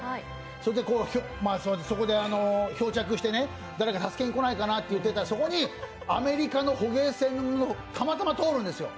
そこで漂着してね、誰か助けに来ないかなと言っていたらアメリカの捕鯨船がたまたま通るんです。